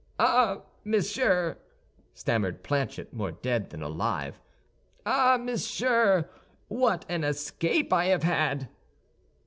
"Ah, monsieur!" stammered Planchet, more dead than alive, "ah, monsieur, what an escape I have had!"